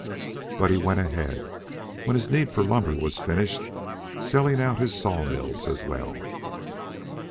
But he went ahead, when his need for lumber was finished, selling out his sawmills as well.